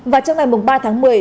và trong ngày ba tháng một mươi